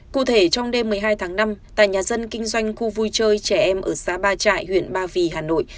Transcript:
cụ thể trong đêm một mươi hai tháng năm tại nhà dân kinh doanh khu vui chơi trẻ em ở xã ba trại huyện ba vì hà nội